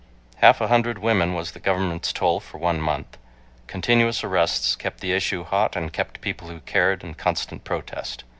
Half a hundred women was the government's toll for one month: .Continuous arrests kept the issue hot and kept people who cared in constant protest.